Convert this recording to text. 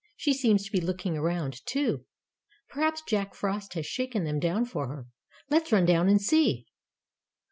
She seems to be looking around, too. Perhaps Jack Frost has shaken them down for her. Let's run down and see."